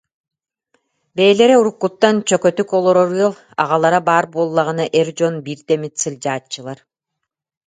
Бэйэлэрэ уруккуттан чөкөтүк олорор ыал, аҕалара баар буоллаҕына эр дьон биирдэ эмит сылдьааччылар